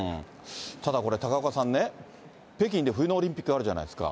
ただこれ、高岡さんね、北京で冬のオリンピックあるじゃないですか。